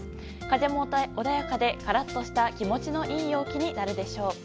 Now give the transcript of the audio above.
風も穏やかで、カラッとした気持ちのいい陽気になるでしょう。